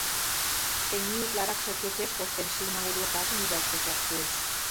Тений утларакше кечеш коштен шийме урлыкашым ӱдаш тӧчаш кӱлеш.